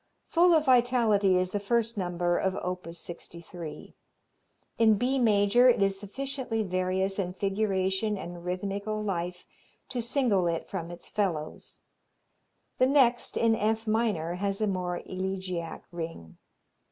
Full of vitality is the first number of op. 63. In B major, it is sufficiently various in figuration and rhythmical life to single it from its fellows. The next, in F minor, has a more elegiac ring.